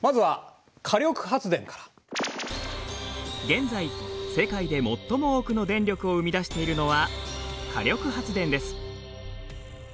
現在世界で最も多くの電力を生み出しているのは火力発電です。